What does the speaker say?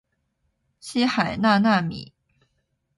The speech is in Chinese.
七海娜娜米